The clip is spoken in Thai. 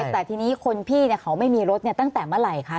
แต่ทีนี้คนพี่เขาไม่มีรถตั้งแต่เมื่อไหร่คะ